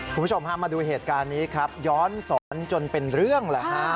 คุณผู้ชมพามาดูเหตุการณ์นี้ครับย้อนสอนจนเป็นเรื่องแหละฮะ